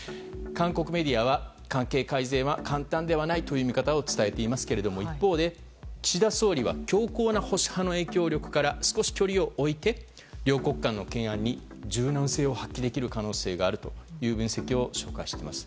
韓国メディアは関係改善は簡単ではないという見方を伝えていますが一方で岸田総理は強硬な保守派の影響力から少し距離を置いて両国間の懸案に柔軟性を発揮できる可能性があると分析を紹介しています。